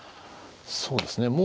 そうですね